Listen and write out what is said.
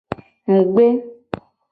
Mu gbe.